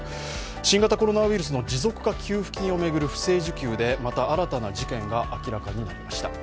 新型コロナウイルスの持続化給付金を巡る事件でまた新たな事件が明らかになりました。